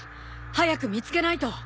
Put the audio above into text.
早く見つけないと！